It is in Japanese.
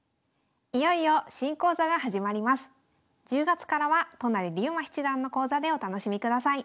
１０月からは都成竜馬七段の講座でお楽しみください。